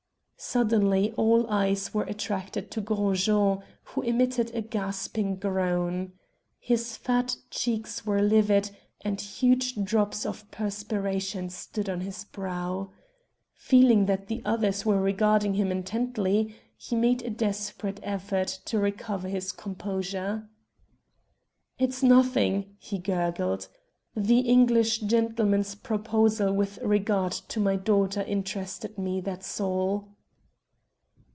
Suddenly all eyes were attracted to Gros Jean, who emitted a gasping groan. His fat cheeks were livid, and huge drops of perspiration stood on his brow. Feeling that the others were regarding him intently, he made a desperate effort to recover his composure. "It is nothing!" he gurgled. "The English gentleman's proposal with regard to my daughter interested me, that is all."